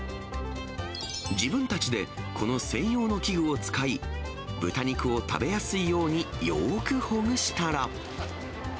自分たちでこの専用の器具を使い、豚肉を食べやすいようによーくほぐしたら。